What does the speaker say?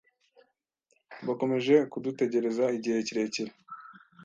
Bakomeje kudutegereza igihe kirekire.